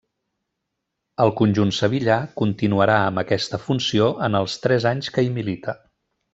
Al conjunt sevillà continuarà amb aquesta funció en els tres anys que hi milita.